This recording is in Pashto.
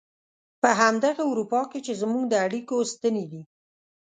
په همدغه اروپا کې چې زموږ د اړيکو ستنې دي.